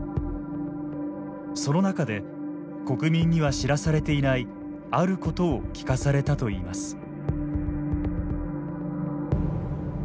その中で国民には知らされていないあることを聞かされたと言います。